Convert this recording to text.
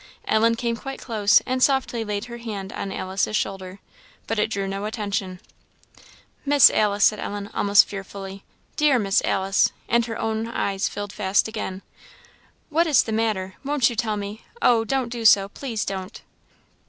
Ellen came quite close, and softly laid her hand on Alice's shoulder. But it drew no attention. "Miss Alice," said Ellen, almost fearfully, "dear Miss Alice" and her own eyes filled fast again "what is the matter? won't you tell me? Oh! don't do so! please don't!"